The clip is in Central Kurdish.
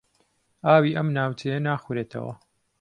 ئاوی ئەم ناوچەیە ناخورێتەوە.